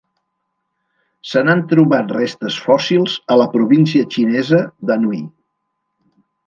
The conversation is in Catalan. Se n'han trobat restes fòssils a la província xinesa d'Anhui.